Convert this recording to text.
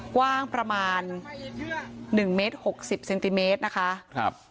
กว้างประมาณ๑เมตร๖๐เซนติเมตรนะคะ